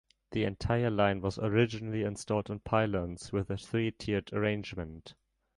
The entire line was originally installed on pylons with a three-tiered arrangement.